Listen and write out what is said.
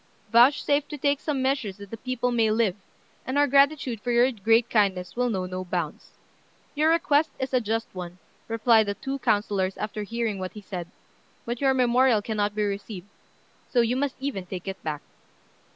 Vouchsafe to take some measures that the people may live, and our gratitude for your great kindness will know no bounds." "Your request is a just one," replied the two councillors after hearing what he said; "but your memorial cannot be received: so you must even take it back."